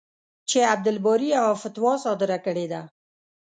چې عبدالباري یوه فتوا صادره کړې ده.